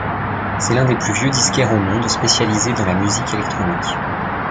C'est l'un des plus vieux disquaires au monde spécialisés dans la musique électronique.